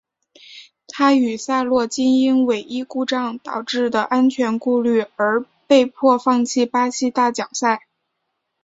他与萨洛皆因尾翼故障导致的安全顾虑而被迫放弃巴西大奖赛。